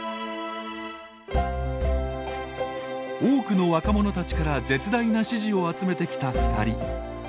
多くの若者たちから絶大な支持を集めてきた２人。